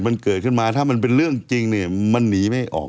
มันเกิดขึ้นมาถ้ามันเป็นเรื่องจริงเนี่ยมันหนีไม่ออก